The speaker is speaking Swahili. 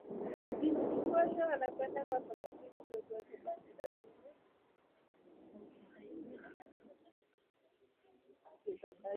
wote wanakwenda kwa sababu hizo zote bali lazima sababu mojawapo ihusikeKutokana na sababu